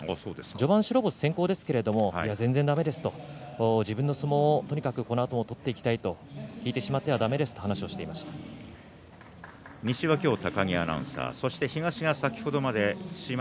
序盤白星先行ですけれども全然だめですと、自分の相撲をとにかく、このあとも取っていきたいと引いてしまっては３番が終わりました幕内。